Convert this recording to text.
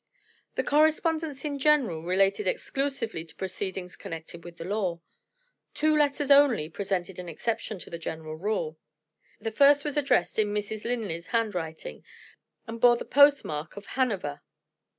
The correspondence in general related exclusively to proceedings connected with the law. Two letters only presented an exception to the general rule. The first was addressed in Mrs. Linley's handwriting, and bore the postmark of Hanover.